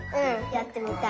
やってみたい。